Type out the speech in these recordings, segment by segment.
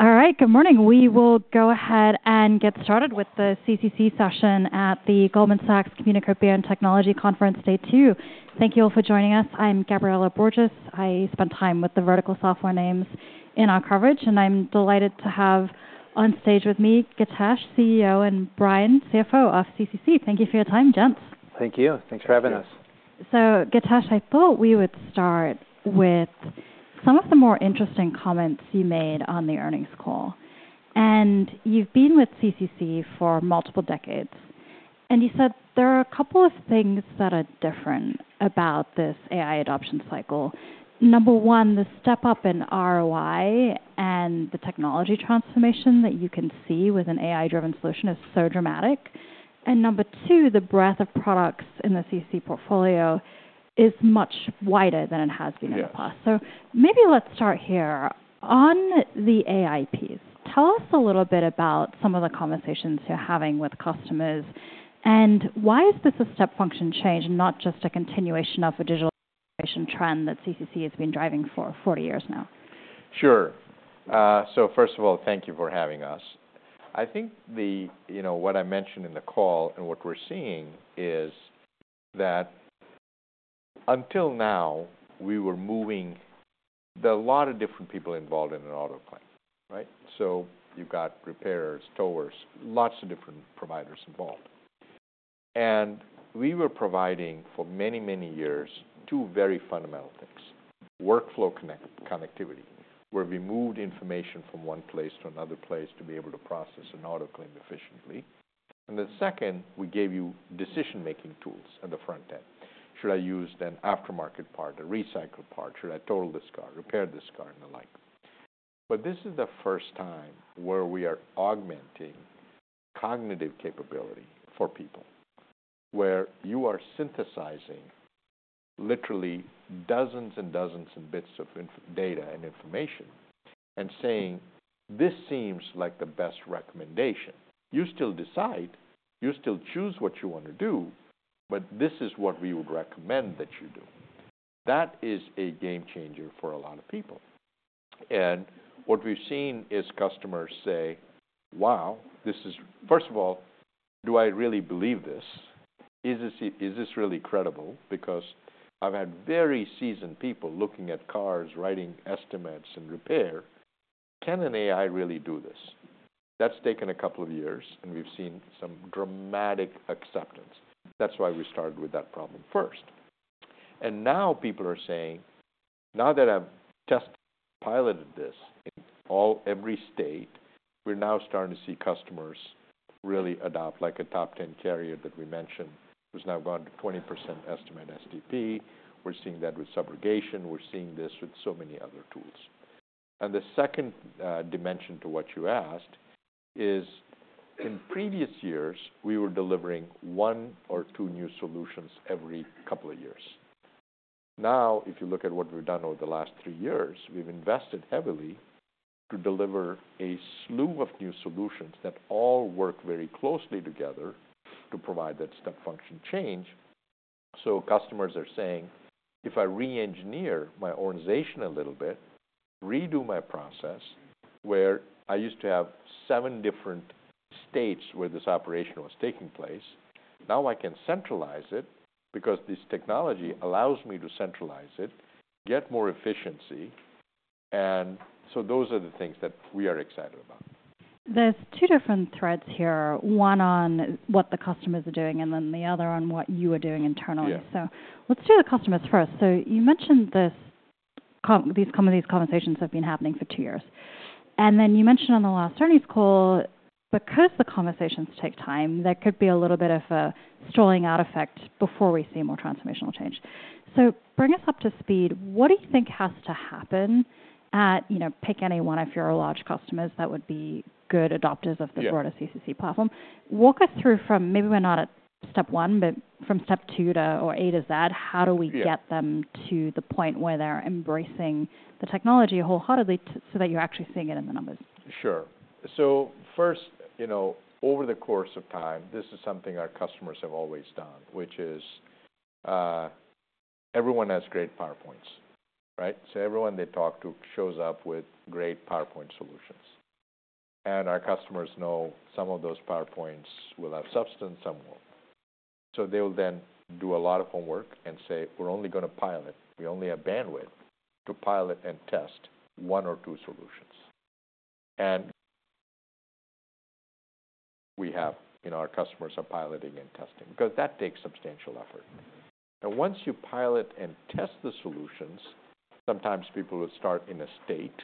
All right, good morning. We will go ahead and get started with the CCC session at the Goldman Sachs Communications and Technology Conference, day two. Thank you all for joining us. I'm Gabriela Borges. I spend time with the vertical software names in our coverage, and I'm delighted to have on stage with me, Githesh, CEO, and Brian, CFO of CCC. Thank you for your time, gents. Thank you. Thanks for having us. Githesh, I thought we would start with some of the more interesting comments you made on the earnings call. And you've been with CCC for multiple decades, and you said there are a couple of things that are different about this AI adoption cycle. Number one, the step up in ROI and the technology transformation that you can see with an AI-driven solution is so dramatic. And number two, the breadth of products in the CCC portfolio is much wider than it has been in the past. Yeah. So maybe let's start here. On the AI piece, tell us a little bit about some of the conversations you're having with customers, and why is this a step function change, not just a continuation of a digital transformation trend that CCC has been driving for 40 years now? Sure. So first of all, thank you for having us. I think. You know, what I mentioned in the call and what we're seeing is that until now, we were moving. There are a lot of different people involved in an auto claim, right? So you've got repairers, towers, lots of different providers involved. And we were providing for many, many years, two very fundamental things: workflow connectivity, where we moved information from one place to another place to be able to process an auto claim efficiently. And the second, we gave you decision-making tools on the front end. Should I use an aftermarket part, a recycled part? Should I total this car, repair this car, and the like. But this is the first time where we are augmenting cognitive capability for people, where you are synthesizing literally dozens and dozens of bits of info, data and information and saying, "This seems like the best recommendation." You still decide, you still choose what you want to do, but this is what we would recommend that you do. That is a game changer for a lot of people. And what we've seen is customers say, "Wow, this is, first of all, do I really believe this? Is this, is this really credible?" Because I've had very seasoned people looking at cars, writing estimates and repair. Can an AI really do this? That's taken a couple of years, and we've seen some dramatic acceptance. That's why we started with that problem first. And now people are saying, "Now that I've test piloted this in all, every state, we're now starting to see customers really adopt, like a top 10 carrier that we mentioned, who's now gone to 20% Estimate-STP. We're seeing that with subrogation. We're seeing this with so many other tools." And the second dimension to what you asked is, in previous years, we were delivering one or two new solutions every couple of years. Now, if you look at what we've done over the last three years, we've invested heavily to deliver a slew of new solutions that all work very closely together to provide that step function change. So customers are saying, "If I re-engineer my organization a little bit, redo my process, where I used to have seven different states where this operation was taking place, now I can centralize it because this technology allows me to centralize it, get more efficiency." And so those are the things that we are excited about. There's two different threads here, one on what the customers are doing and then the other on what you are doing internally. So let's do the customers first. So you mentioned these conversations have been happening for two years. And then you mentioned on the last earnings call, because the conversations take time, there could be a little bit of a rollout effect before we see more transformational change. So bring us up to speed. What do you think has to happen at, you know, pick any one of your large customers that would be good adopter -of the broader CCC platform. Walk us through from, maybe we're not at step one, but from step two to or A to Z, how do we-Yeah Get them to the point where they're embracing the technology wholeheartedly so that you're actually seeing it in the numbers? Sure, so first, you know, over the course of time, this is something our customers have always done, which is, everyone has great PowerPoints, right? So everyone they talk to shows up with great PowerPoint solutions, and our customers know some of those PowerPoints will have substance, some won't, so they will then do a lot of homework and say, "We're only going to pilot. We only have bandwidth to pilot and test one or two solutions." And we have, you know, our customers are piloting and testing because that takes substantial effort. Now, once you pilot and test the solutions, sometimes people will start in a state,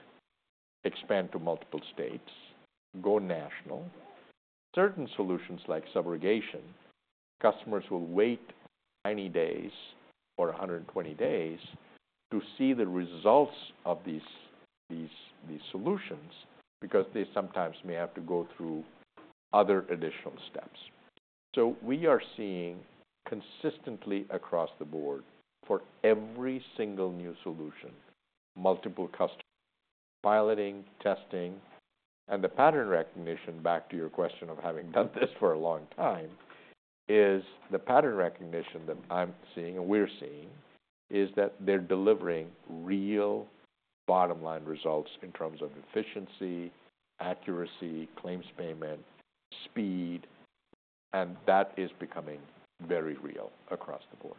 expand to multiple states, go national. Certain solutions, like subrogation, customers will wait 90 days or a 120 days to see the results of these solutions because they sometimes may have to go through other additional steps. We are seeing consistently across the board, for every single new solution, multiple customers piloting, testing, and the pattern recognition, back to your question of having done this for a long time, is the pattern recognition that I'm seeing and we're seeing is that they're delivering real bottom line results in terms of efficiency, accuracy, claims payment, speed, and that is becoming very real across the board.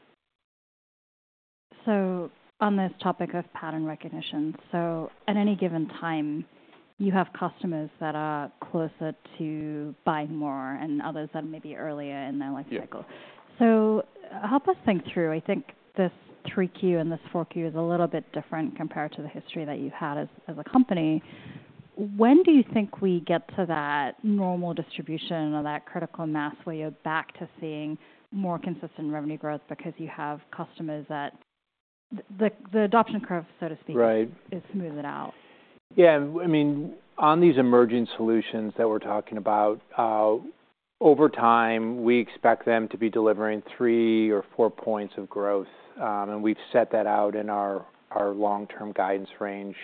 On this topic of pattern recognition, so at any given time, you have customers that are closer to buying more and others that may be earlier in their life cycle. Yeah. So help us think through, I think this 3Q and this 4Q is a little bit different compared to the history that you've had as, as a company. When do you think we get to that normal distribution or that critical mass, where you're back to seeing more consistent revenue growth because you have customers that, the adoption curve, so to speak is smoothing out? Yeah, I mean, on these emerging solutions that we're talking about, over time, we expect them to be delivering three or four points of growth, and we've set that out in our long-term guidance range.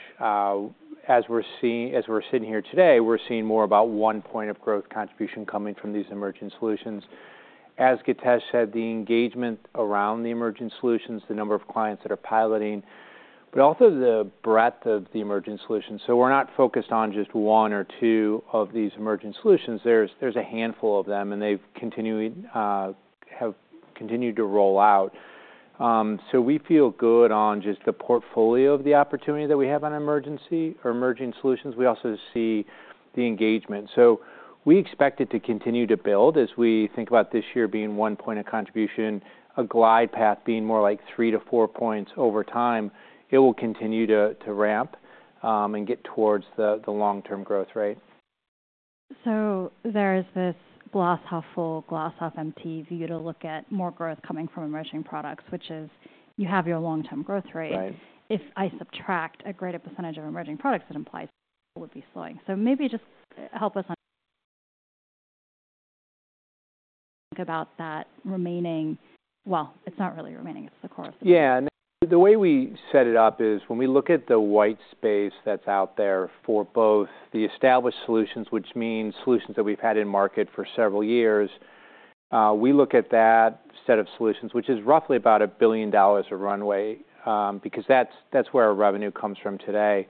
As we're sitting here today, we're seeing more about one point of growth contribution coming from these emerging solutions. As Githesh said, the engagement around the emerging solutions, the number of clients that are piloting, but also the breadth of the emerging solutions, so we're not focused on just one or two of these emerging solutions. There's a handful of them, and they have continued to roll out, so we feel good on just the portfolio of the opportunity that we have on emerging solutions. We also see the engagement. So we expect it to continue to build as we think about this year being one point of contribution, a glide path being more like three to four points over time. It will continue to ramp and get towards the long-term growth rate. So there is this glass half full, glass half empty view to look at more growth coming from emerging products, which is you have your long-term growth rate. Right. If I subtract a greater percentage of emerging products, that implies it would be slowing. So, maybe just help us on think about that remaining. Well, it's not really remaining, it's the core. Yeah, and the way we set it up is when we look at the white space that's out there for both the established solutions, which means solutions that we've had in market for several years, we look at that set of solutions, which is roughly about $1 billion of runway, because that's where our revenue comes from today.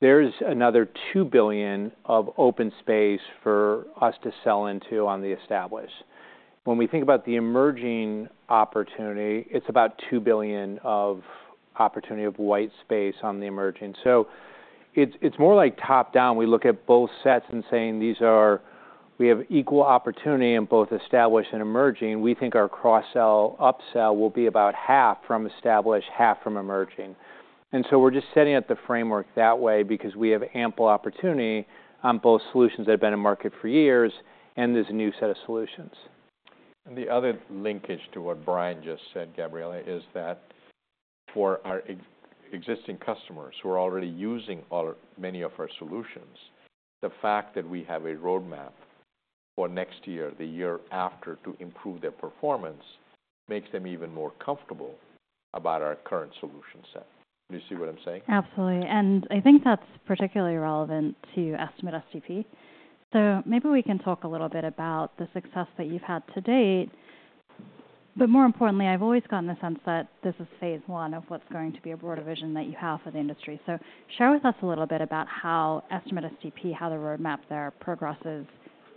There's another $2 billion of open space for us to sell into on the established. When we think about the emerging opportunity, it's about $2 billion of opportunity of white space on the emerging. So it's more like top-down. We look at both sets and saying these are. We have equal opportunity in both established and emerging. We think our cross-sell, upsell will be about half from established, half from emerging. We're just setting up the framework that way because we have ample opportunity on both solutions that have been in market for years, and there's a new set of solutions. And the other linkage to what Brian just said, Gabriela, is that for our existing customers who are already using many of our solutions, the fact that we have a roadmap for next year, the year after, to improve their performance, makes them even more comfortable about our current solution set. Do you see what I'm saying? Absolutely, and I think that's particularly relevant to Estimate-STP, so maybe we can talk a little bit about the success that you've had to date, but more importantly, I've always gotten the sense that this is phase one of what's going to be a broader vision that you have for the industry, so share with us a little bit about how Estimate-STP, how the roadmap there progresses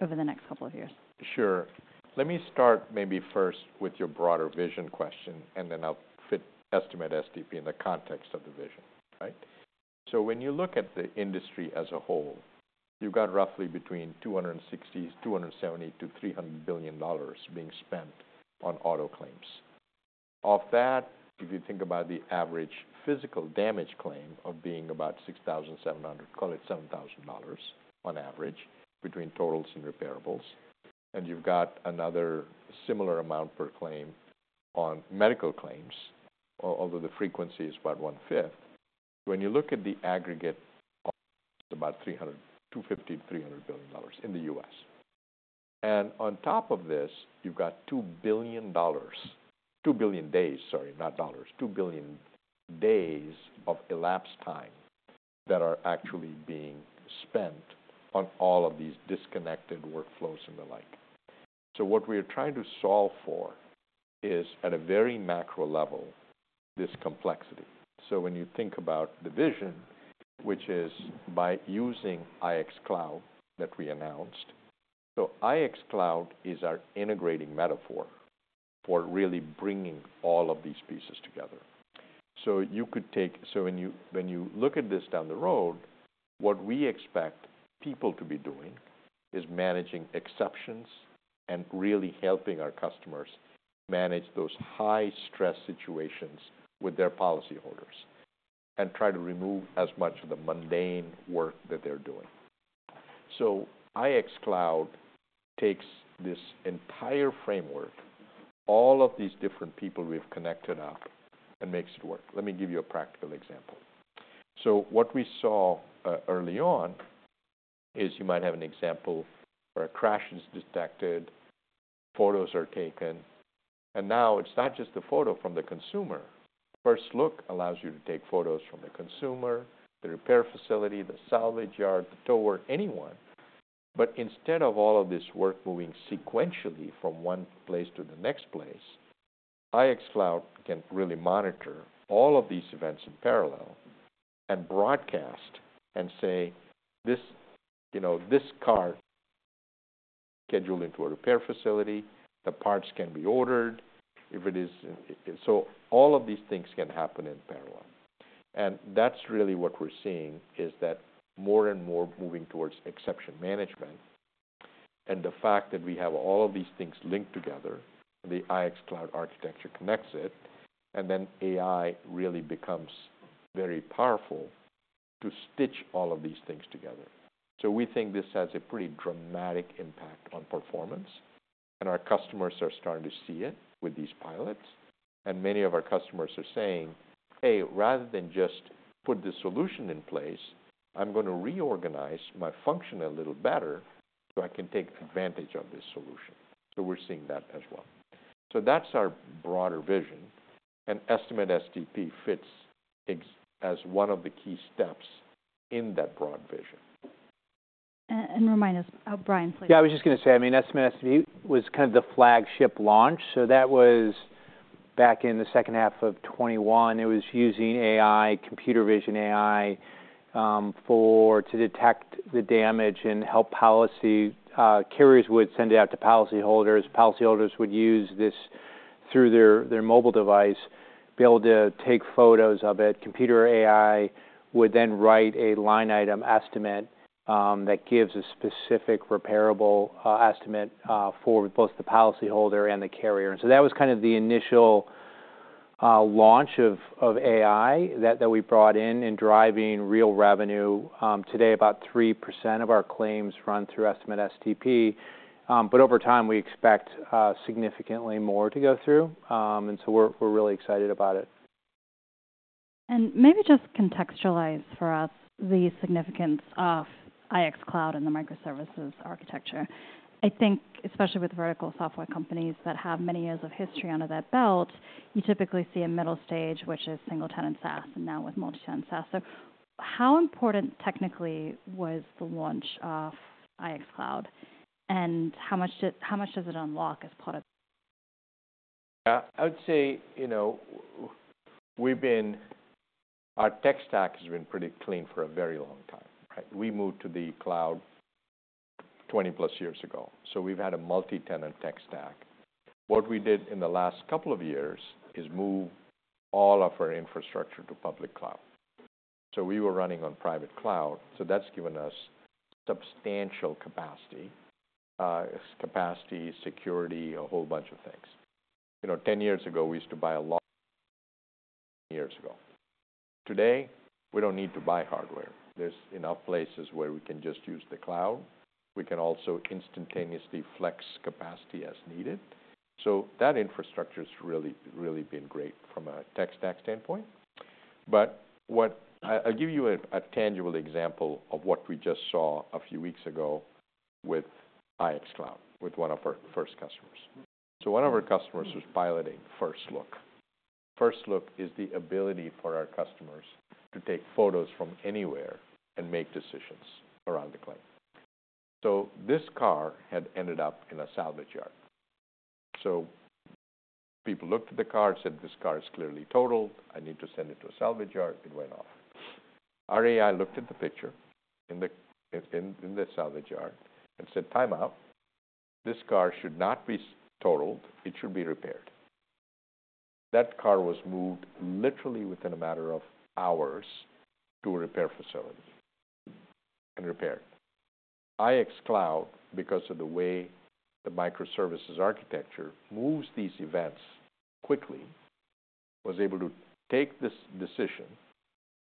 over the next couple of years. Sure. Let me start maybe first with your broader vision question, and then I'll fit Estimate-STP in the context of the vision, right? So when you look at the industry as a whole, you've got roughly between $260 billion and $270 billion-$300 billion being spent on auto claims. Of that, if you think about the average physical damage claim of being about $6,700, call it $7,000 on average, between totals and repairables, and you've got another similar amount per claim on medical claims, although the frequency is about 1/5. When you look at the aggregate, about $250 billion-$300 billion in the U.S. And on top of this, you've got $2 billion. 2 billion days, sorry, not dollars. 2 billion days of elapsed time that are actually being spent on all of these disconnected workflows and the like. So what we are trying to solve for is, at a very macro level, this complexity. So when you think about the vision, which is by using IX Cloud that we announced, so IX Cloud is our integrating metaphor for really bringing all of these pieces together. So you could take. So when you look at this down the road, what we expect people to be doing is managing exceptions and really helping our customers manage those high-stress situations with their policyholders, and try to remove as much of the mundane work that they're doing. So IX Cloud takes this entire framework, all of these different people we've connected up, and makes it work. Let me give you a practical example. So what we saw early on is you might have an example where a crash is detected, photos are taken, and now it's not just the photo from the consumer. First Look allows you to take photos from the consumer, the repair facility, the salvage yard, the tower, anyone. But instead of all of this work moving sequentially from one place to the next place, IX Cloud can really monitor all of these events in parallel and broadcast and say, this, you know, this car scheduled into a repair facility, the parts can be ordered if it is. So all of these things can happen in parallel. And that's really what we're seeing, is that more and more moving towards exception management. And the fact that we have all of these things linked together, the IX Cloud architecture connects it, and then AI really becomes very powerful to stitch all of these things together. So we think this has a pretty dramatic impact on performance, and our customers are starting to see it with these pilots. And many of our customers are saying, "Hey, rather than just put the solution in place, I'm going to reorganize my function a little better, so I can take advantage of this solution." So we're seeing that as well. So that's our broader vision, and Estimate-STP fits as one of the key steps in that broad vision. Remind us, Brian, please. Yeah, I was just gonna say, I mean, Estimate-STP was kind of the flagship launch, so that was back in the second half of 2021. It was using AI, computer vision AI, to detect the damage and help policyholders. Carriers would send it out to policyholders. Policyholders would use this through their, their mobile device, be able to take photos of it. Computer AI would then write a line item estimate that gives a specific repairable estimate for both the policyholder and the carrier. So that was kind of the initial launch of AI that we brought in, in driving real revenue. Today, about 3% of our claims run through Estimate-STP. But over time, we expect significantly more to go through. And so we're, we're really excited about it. Maybe just contextualize for us the significance of IX Cloud and the microservices architecture. I think especially with vertical software companies that have many years of history under their belt, you typically see a middle stage, which is single-tenant SaaS, and now with multi-tenant SaaS. How important, technically, was the launch of IX Cloud, and how much did, how much does it unlock as product? Yeah, I would say, you know, we've been, our tech stack has been pretty clean for a very long time, right? We moved to the cloud 20+ years ago, so we've had a multi-tenant tech stack. What we did in the last couple of years is move all of our infrastructure to public cloud. So we were running on private cloud, so that's given us substantial capacity, capacity, security, a whole bunch of things. You know, 10 years ago, we used to buy a lot years ago. Today, we don't need to buy hardware. There's enough places where we can just use the cloud. We can also instantaneously flex capacity as needed. So that infrastructure's really, really been great from a tech stack standpoint. I'll give you a tangible example of what we just saw a few weeks ago with IX Cloud, with one of our first customers. So one of our customers was piloting First Look. First Look is the ability for our customers to take photos from anywhere and make decisions around the claim. So this car had ended up in a salvage yard. So people looked at the car and said, "This car is clearly totaled. I need to send it to a salvage yard." It went off. Our AI looked at the picture in the salvage yard and said, "Time out. This car should not be totaled. It should be repaired." That car was moved literally within a matter of hours to a repair facility and repaired. IX Cloud, because of the way the microservices architecture moves these events quickly, was able to take this decision,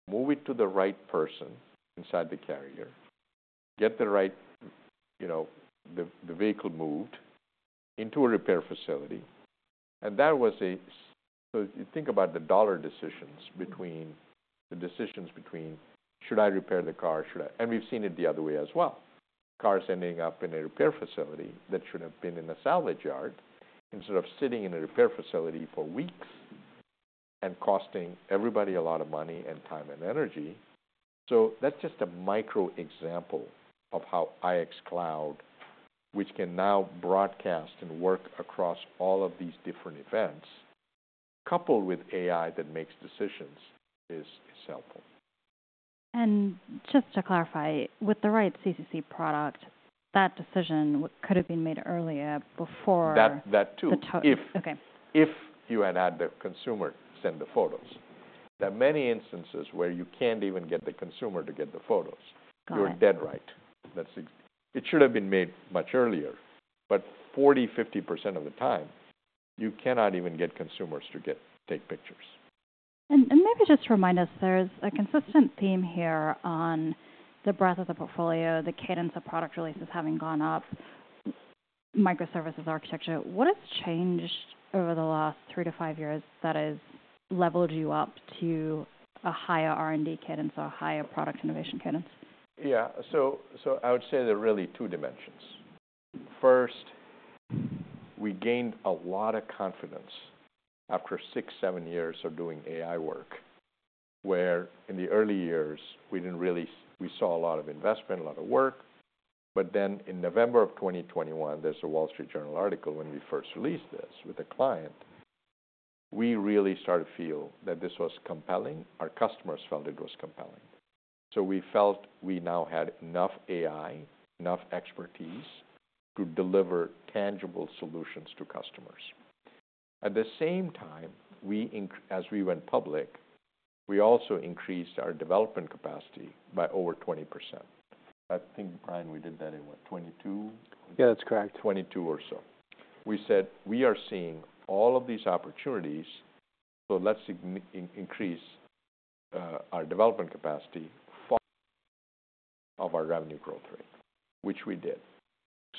move it to the right person inside the carrier, get the right, you know, the vehicle moved into a repair facility, and that was it. So if you think about the dollar decisions between should I repair the car? Should I, and we've seen it the other way as well. Cars ending up in a repair facility that should have been in a salvage yard, and sort of sitting in a repair facility for weeks and costing everybody a lot of money and time, and energy. So that's just a micro example of how IX Cloud, which can now broadcast and work across all of these different events, coupled with AI that makes decisions, is helpful. Just to clarify, with the right CCC product, that decision could have been made earlier, before- That, that too. The total. Okay. If you had had the consumer send the photos. There are many instances where you can't even get the consumer to get the photos. Got it. You're dead right. That's it. It should have been made much earlier, but 40%-50% of the time, you cannot even get consumers to take pictures. Maybe just remind us. There's a consistent theme here on the breadth of the portfolio, the cadence of product releases having gone up, microservices architecture. What has changed over the last three to five years that has leveled you up to a higher R&D cadence or a higher product innovation cadence? Yeah. So I would say there are really two dimensions. First, we gained a lot of confidence after six, seven years of doing AI work, where in the early years, we didn't really. We saw a lot of investment, a lot of work. But then in November 2021, there's a Wall Street Journal article when we first released this with a client, we really started to feel that this was compelling. Our customers felt it was compelling. So we felt we now had enough AI, enough expertise, to deliver tangible solutions to customers. At the same time, as we went public, we also increased our development capacity by over 20%. I think, Brian, we did that in, what? 2022? Yeah, that's correct. 2022 or so. We said, we are seeing all of these opportunities, so let's significantly increase our development capacity of our revenue growth rate, which we did.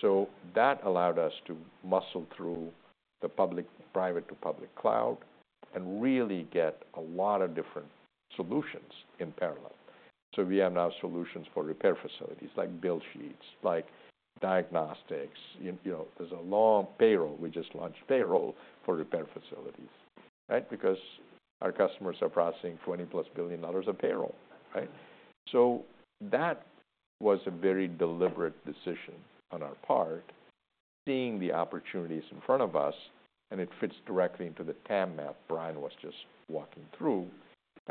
So that allowed us to muscle through the private to public cloud and really get a lot of different solutions in parallel. So we have now solutions for repair facilities like build sheets, like diagnostics, you know, there's a long payroll. We just launched payroll for repair facilities, right? Because our customers are processing $20 billion+ of payroll, right? So that was a very deliberate decision on our part, seeing the opportunities in front of us, and it fits directly into the TAM map Brian was just walking through.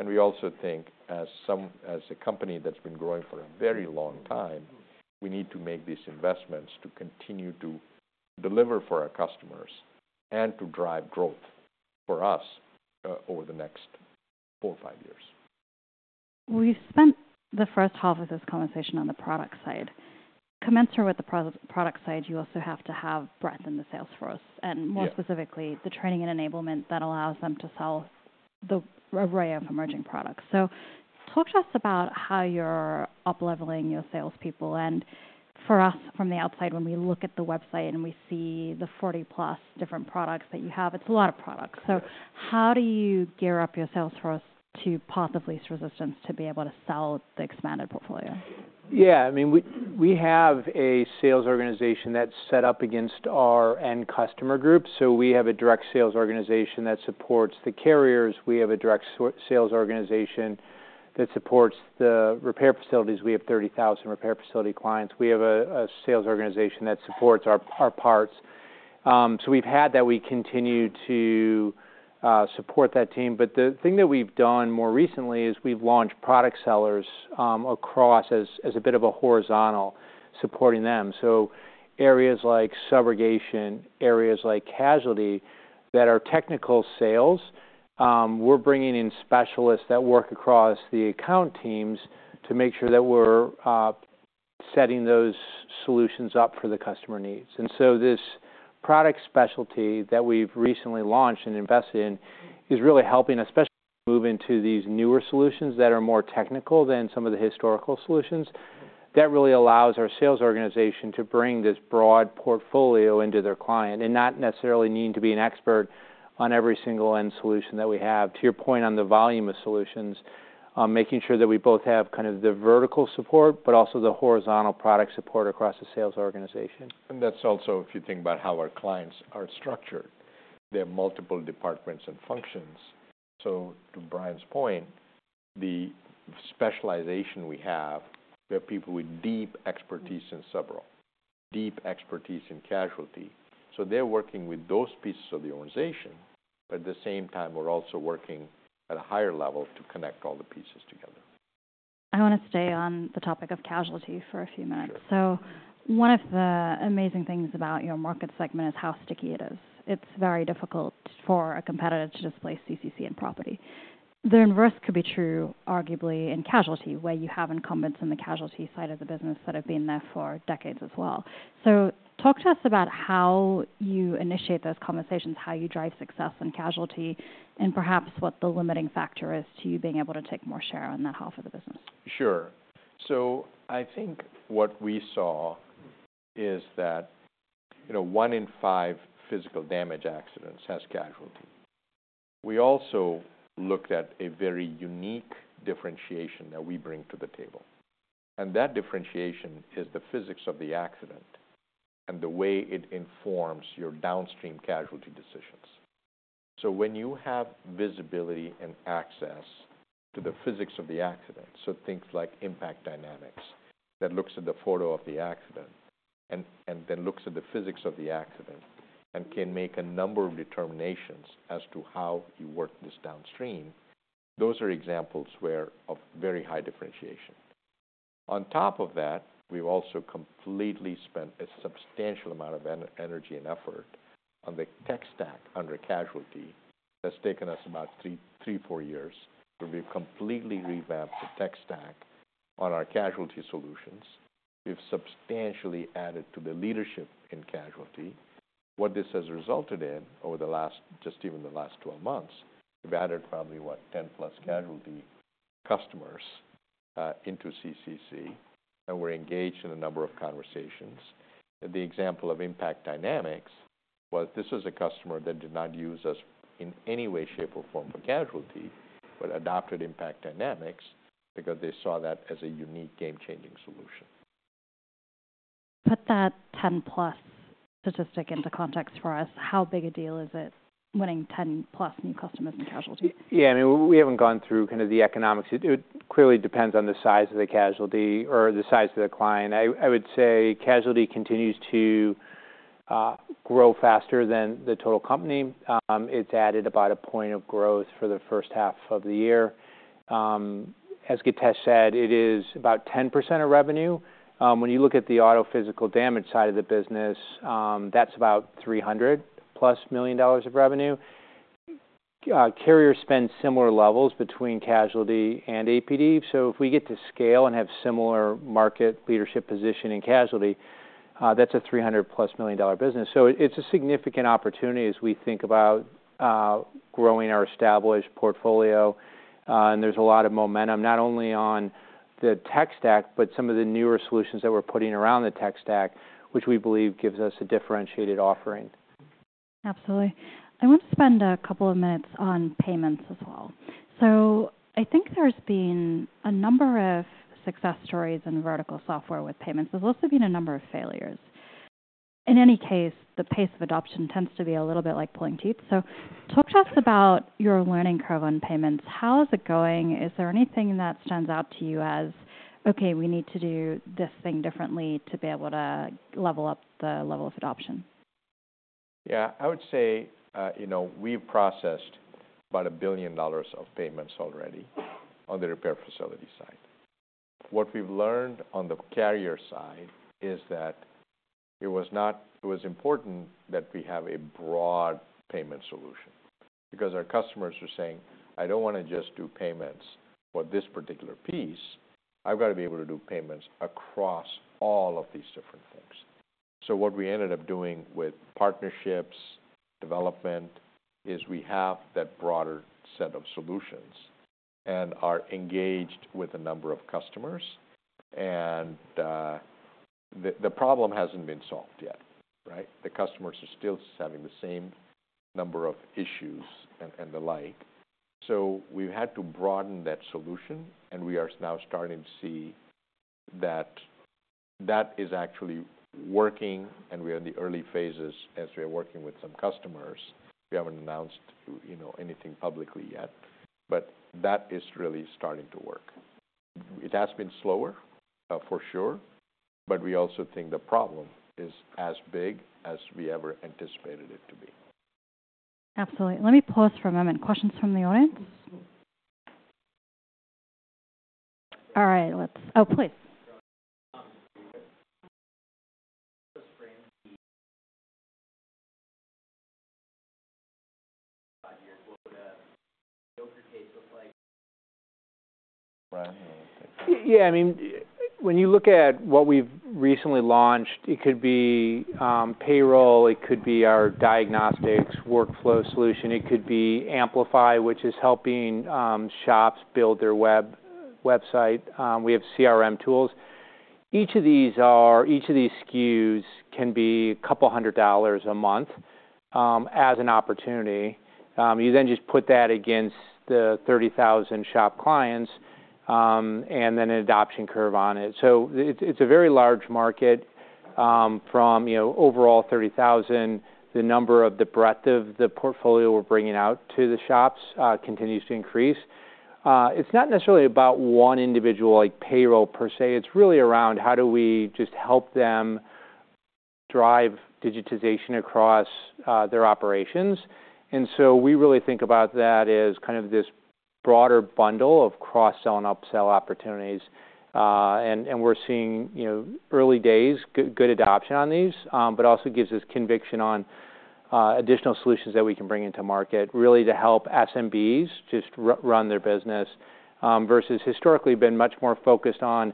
We also think as a company that's been growing for a very long time, we need to make these investments to continue to deliver for our customers and to drive growth for us over the next four or five years. We spent the first half of this conversation on the product side. Commensurate with the product side, you also have to have breadth in the sales force, and more specifically, the training and enablement that allows them to sell the array of emerging products, so talk to us about how you're upleveling your salespeople, and for us, from the outside, when we look at the website and we see the 40+ different products that you have, it's a lot of products. So how do you gear up your sales force to the path of least resistance to be able to sell the expanded portfolio? Yeah, I mean, we have a sales organization that's set up against our end customer groups. So we have a direct sales organization that supports the carriers. We have a direct sales organization that supports the repair facilities. We have 30,000 repair facility clients. We have a sales organization that supports our parts. So we've had that. We continue to support that team, but the thing that we've done more recently is we've launched product sellers across as a bit of a horizontal, supporting them. So areas like subrogation, areas like casualty, that are technical sales, we're bringing in specialists that work across the account teams to make sure that we're setting those solutions up for the customer needs. And so this product specialty that we've recently launched and invested in is really helping, especially move into these newer solutions that are more technical than some of the historical solutions. That really allows our sales organization to bring this broad portfolio into their client and not necessarily need to be an expert on every single end solution that we have. To your point on the volume of solutions, making sure that we both have kind of the vertical support, but also the horizontal product support across the sales organization. And that's also, if you think about how our clients are structured, they have multiple departments and functions. So to Brian's point, the specialization we have, we have people with deep expertise in subro, deep expertise in casualty, so they're working with those pieces of the organization, but at the same time, we're also working at a higher level to connect all the pieces together. I want to stay on the topic of casualty for a few minutes. Sure. One of the amazing things about your market segment is how sticky it is. It's very difficult for a competitor to displace CCC in property. The inverse could be true, arguably, in casualty, where you have incumbents in the casualty side of the business that have been there for decades as well. So talk to us about how you initiate those conversations, how you drive success in casualty, and perhaps what the limiting factor is to you being able to take more share on that half of the business. Sure. So I think what we saw is that, you know, one in five physical damage accidents has casualty. We also looked at a very unique differentiation that we bring to the table, and that differentiation is the physics of the accident and the way it informs your downstream casualty decisions. So when you have visibility and access to the physics of the accident, so things like Impact Dynamics, that looks at the photo of the accident and then looks at the physics of the accident and can make a number of determinations as to how you work this downstream, those are examples where of very high differentiation. On top of that, we've also completely spent a substantial amount of energy and effort on the tech stack under casualty. That's taken us about three, four years, where we've completely revamped the tech stack on our casualty solutions. We've substantially added to the leadership in casualty. What this has resulted in over the last, just even the last 12 months, we've added probably, what, 10+ casualty customers into CCC, and we're engaged in a number of conversations. The example of Impact Dynamics, well, this was a customer that did not use us in any way, shape, or form for casualty, but adopted Impact Dynamics because they saw that as a unique game-changing solution. Put that 10+ statistic into context for us. How big a deal is it, winning 10+ new customers in casualty? Yeah, I mean, we haven't gone through kind of the economics. It clearly depends on the size of the casualty or the size of the client. I would say casualty continues to grow faster than the total company. It's added about a point of growth for the first half of the year. As Githesh said, it is about 10% of revenue. When you look at the auto physical damage side of the business, that's about $300 million+ of revenue. Carriers spend similar levels between casualty and APD. So if we get to scale and have similar market leadership position in casualty, that's a $300 million+ business. So it's a significant opportunity as we think about growing our established portfolio. And there's a lot of momentum, not only on the tech stack, but some of the newer solutions that we're putting around the tech stack, which we believe gives us a differentiated offering. Absolutely. I want to spend a couple of minutes on payments as well. So I think there's been a number of success stories in vertical software with payments. There's also been a number of failures. In any case, the pace of adoption tends to be a little bit like pulling teeth. So talk to us about your learning curve on payments. How is it going? Is there anything that stands out to you as, okay, we need to do this thing differently to be able to level up the level of adoption? Yeah, I would say, you know, we've processed about $1 billion of payments already on the repair facility side. What we've learned on the carrier side is that it was important that we have a broad payment solution because our customers are saying, "I don't want to just do payments for this particular piece. I've got to be able to do payments across all of these different things." So what we ended up doing with partnerships, development, is we have that broader set of solutions and are engaged with a number of customers. And, the problem hasn't been solved yet, right? The customers are still having the same number of issues and the like. So we've had to broaden that solution, and we are now starting to see that that is actually working, and we are in the early phases as we are working with some customers. We haven't announced, you know, anything publicly yet, but that is really starting to work. It has been slower, for sure, but we also think the problem is as big as we ever anticipated it to be. Absolutely. Let me pause for a moment. Questions from the audience? All right, let's... Oh, please. Yeah, I mean, when you look at what we've recently launched, it could be payroll, it could be our diagnostics workflow solution, it could be Amplify, which is helping shops build their website. We have CRM tools. Each of these SKUs can be a couple of hundred dollars a month as an opportunity. You then just put that against the 30,000 shop clients and then an adoption curve on it. So it's a very large market from, you know, overall 30,000. The number of the breadth of the portfolio we're bringing out to the shops continues to increase. It's not necessarily about one individual like payroll per se. It's really around how do we just help them drive digitization across their operations. And so we really think about that as kind of this broader bundle of cross-sell and upsell opportunities. And we're seeing, you know, early days, good adoption on these, but also gives us conviction on additional solutions that we can bring into market, really to help SMBs just run their business, versus historically, been much more focused on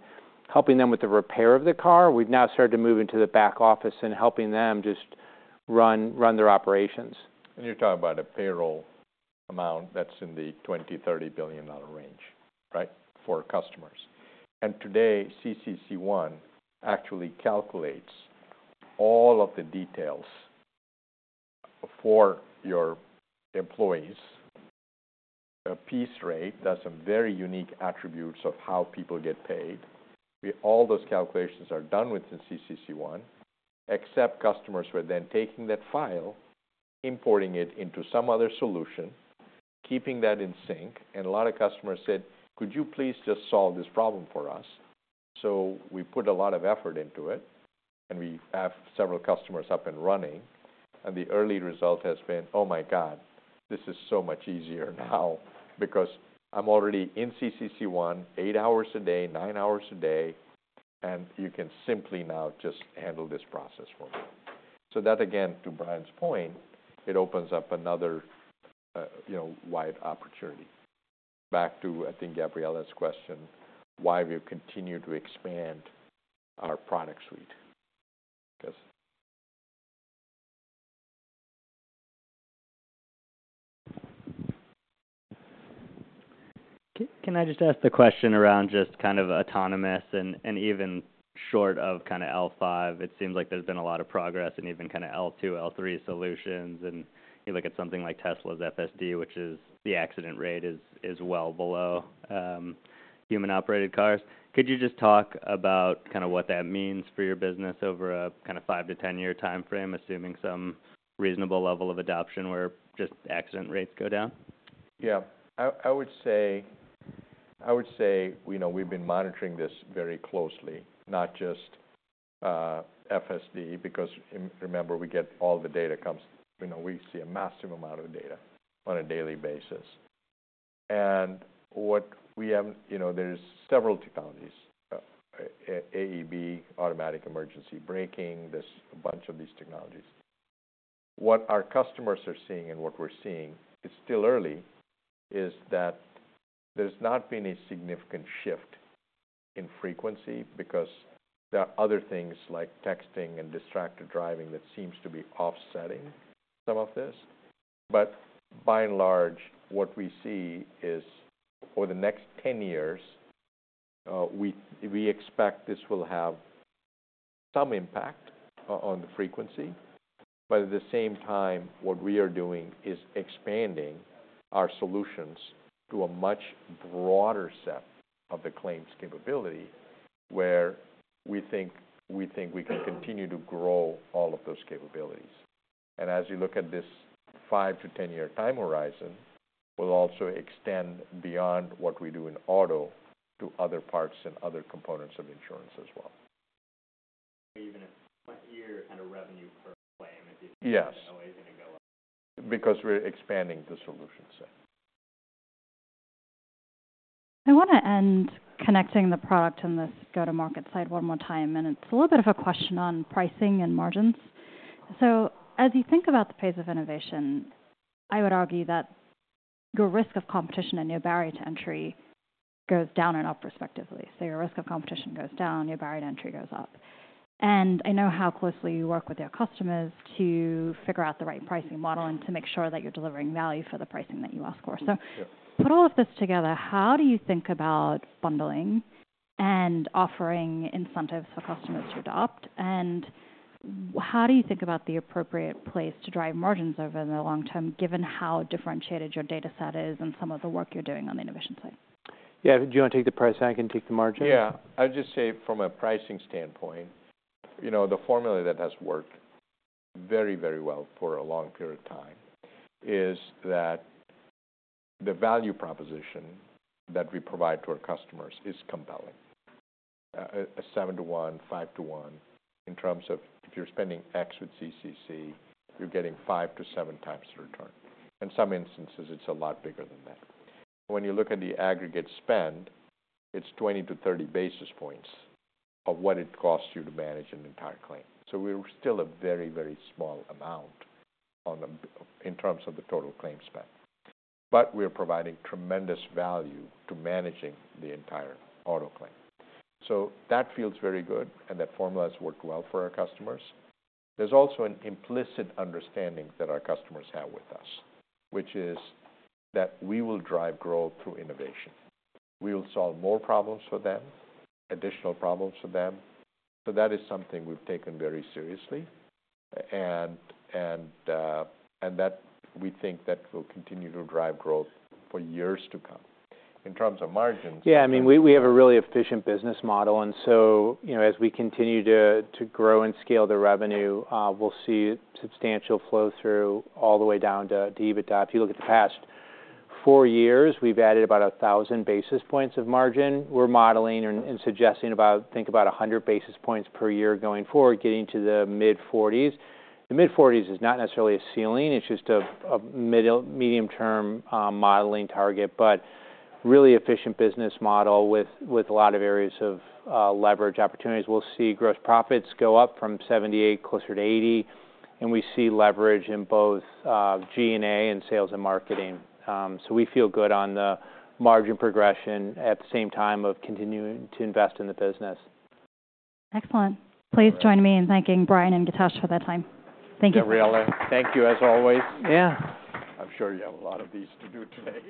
helping them with the repair of the car. We've now started to move into the back office and helping them just run their operations. You're talking about a payroll amount that's in the $20 billion-$30 billion range, right? For customers. Today, CCC ONE actually calculates all of the details for your employees. A piece rate, that's a very unique attributes of how people get paid. All those calculations are done within CCC ONE, except customers were then taking that file, importing it into some other solution, keeping that in sync, and a lot of customers said: "Could you please just solve this problem for us? So we put a lot of effort into it, and we have several customers up and running, and the early result has been, "Oh my God, this is so much easier now because I'm already in CCC ONE, eight hours a day, nine hours a day, and you can simply now just handle this process for me." So that, again, to Brian's point, it opens up another, you know, wide opportunity. Back to, I think, Gabriela's question, why we continue to expand our product suite. Can I just ask the question around just kind of autonomous and even short of kind of L5? It seems like there's been a lot of progress in even kind of L2, L3 solutions. And you look at something like Tesla's FSD, which is the accident rate is well below human-operated cars. Could you just talk about kind of what that means for your business over a kind of five to 10 year timeframe, assuming some reasonable level of adoption where just accident rates go down? Yeah. I would say, we know we've been monitoring this very closely, not just FSD, because remember, we get all the data comes. You know, we see a massive amount of data on a daily basis. And what we have, you know, there's several technologies, AEB, automatic emergency braking, there's a bunch of these technologies. What our customers are seeing and what we're seeing, it's still early, is that there's not been a significant shift in frequency because there are other things like texting and distracted driving that seems to be offsetting some of this. But by and large, what we see is for the next 10 years, we expect this will have some impact on the frequency. But at the same time, what we are doing is expanding our solutions to a much broader set of the claims capability, where we think we can continue to grow all of those capabilities. And as you look at this five to 10 year time horizon, we'll also extend beyond what we do in auto to other parts and other components of insurance as well. Even a year kind of revenue per claim, if you think is always going to go up. Because we're expanding the solution set. I wanna end connecting the product and this go-to-market side one more time, and it's a little bit of a question on pricing and margins. So as you think about the pace of innovation, I would argue that your risk of competition and your barrier to entry goes down and up respectively. So your risk of competition goes down, your barrier to entry goes up. And I know how closely you work with your customers to figure out the right pricing model and to make sure that you're delivering value for the pricing that you ask for. Yeah. So put all of this together, how do you think about bundling and offering incentives for customers to adopt? And how do you think about the appropriate place to drive margins over the long term, given how differentiated your data set is and some of the work you're doing on the innovation side? Yeah, do you want to take the price? I can take the margin. Yeah. I would just say from a pricing standpoint, you know, the formula that has worked very, very well for a long period of time is that the value proposition that we provide to our customers is compelling. A 7:1, 5:1 in terms of if you're spending x with CCC, you're getting 5x-7x the return. In some instances, it's a lot bigger than that. When you look at the aggregate spend, it's 20-30 basis points of what it costs you to manage an entire claim. So we're still a very, very small amount on the, in terms of the total claim spend, but we are providing tremendous value to managing the entire auto claim. So that feels very good, and that formula has worked well for our customers. There's also an implicit understanding that our customers have with us, which is that we will drive growth through innovation. We will solve more problems for them, additional problems for them. So that is something we've taken very seriously. And that we think that will continue to drive growth for years to come. In terms of margins. Yeah, I mean, we have a really efficient business model, and so, you know, as we continue to grow and scale the revenue, we'll see substantial flow-through all the way down to EBITDA. If you look at the past four years, we've added about a thousand basis points of margin. We're modeling and suggesting about, think about a hundred basis points per year going forward, getting to the mid-forties. The mid-forties is not necessarily a ceiling, it's just a medium-term modeling target, but really efficient business model with a lot of areas of leverage opportunities. We'll see gross profits go up from 78 closer to 80, and we see leverage in both G&A and sales and marketing. So we feel good on the margin progression at the same time of continuing to invest in the business. Excellent. Please join me in thanking Brian and Githesh for their time. Thank you. Gabriela, thank you as always. Yeah. I'm sure you have a lot of these to do today.